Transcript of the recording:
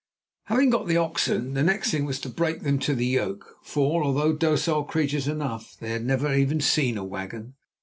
Having got the oxen, the next thing was to break them to the yoke; for, although docile creatures enough, they had never even seen a wagon.